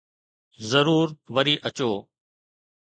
ضرور وري اچو